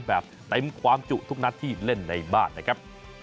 แบบเต็มความจุทุกนัดที่เล่นในบ้านนะครับ